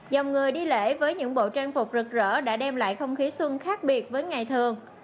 dòng người đi lễ với những bộ trang phục rực rỡ đã đem lại không khí xuân khác biệt với ngày thường